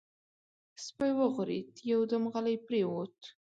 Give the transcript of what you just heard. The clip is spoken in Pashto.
سپی وغرېد، يودم غلی پرېووت.